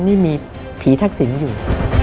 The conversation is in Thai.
นี่มีผีทักษิณอยู่